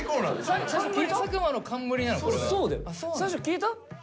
最初聞いた？